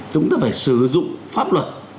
chúng ta phải sử dụng pháp luật